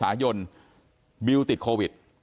ญาติพี่น้องของบิวก็ไปตรวจด้วยอีกหลายคนเลยเฮะ